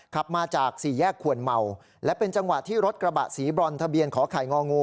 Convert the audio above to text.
ขับมาจากสี่แยกขวนเมาและเป็นจังหวะที่รถกระบะสีบรอนทะเบียนขอไข่งองู